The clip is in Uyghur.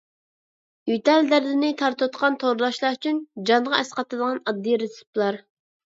يۆتەل دەردىنى تارتىۋاتقان تورداشلار ئۈچۈن جانغا ئەسقاتىدىغان ئاددىي رېتسېپلار.